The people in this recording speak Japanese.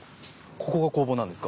ここが工房なんですか？